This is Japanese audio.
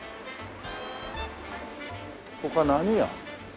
ここは何屋？